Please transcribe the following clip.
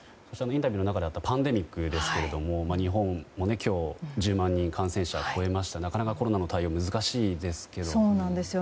インタビューの中であったパンデミックですけども日本も今日１０万人感染者が超えましてなかなかコロナの対応が難しいですが。